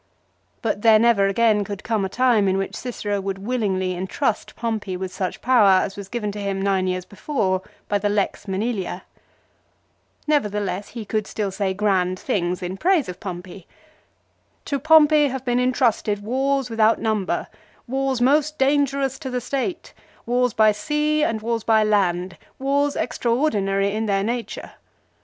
But there never again could come a time in which Cicero would willingly intrust Pompey with such power as was given to him nine years before by the Lex jyTanilia. Nevertheless he could still say grand things in praise of Pompey. "To Pompey have been intrusted wars without number, wars most dangerous to the State, wars by sea and wars by land, wars extraordinary in their nature.